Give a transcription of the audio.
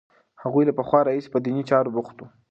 هغوی له پخوا راهیسې په دیني چارو بوخت وو.